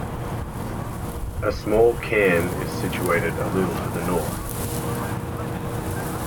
A small cairn is situated a little to the north.